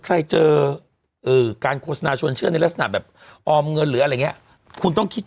ใครเจอการโฆษณาชวนเชื่อในลักษณะแบบออมเงินหรืออะไรอย่างนี้คุณต้องคิด